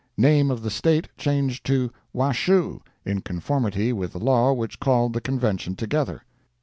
Name of the State changed to "Washoe," in conformity with the law which called the Convention together.